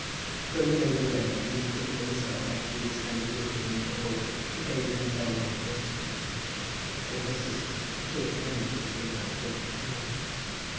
Then the major went, and Miss Prettyman herself actually descended with him into the hall, and bade him farewell most affectionately before her sister and two of the maids who came out to open the door.